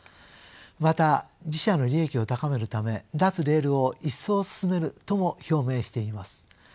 また自社の利益を高めるため脱レールを一層進めるとも表明しています。